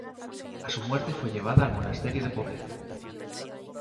A su muerte fue llevada al monasterio de Poblet.